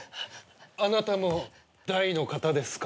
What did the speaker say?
あなたも大の方ですか？